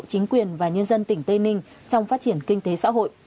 chính quyền và nhân dân tỉnh tây ninh trong phát triển kinh tế xã hội